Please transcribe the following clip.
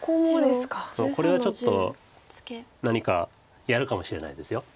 これはちょっと何かやるかもしれないです。